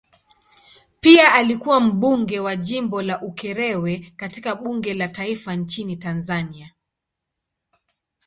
Pia alikuwa mbunge wa jimbo la Ukerewe katika bunge la taifa nchini Tanzania.